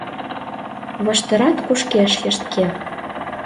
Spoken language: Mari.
Воштырат кушкеш йыштке.